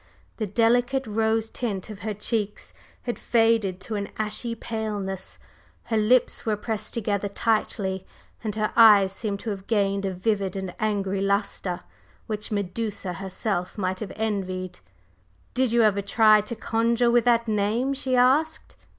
The delicate rose tint of her cheeks had faded to an ashy paleness, her lips were pressed together tightly and her eyes seemed to have gained a vivid and angry lustre which Medusa herself might have envied. "Did you ever try to conjure with that name?" she asked.